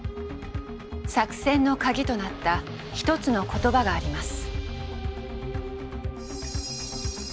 作戦の鍵となった一つの言葉があります。